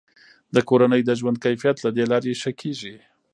د کورنیو د ژوند کیفیت له دې لارې ښه کیږي.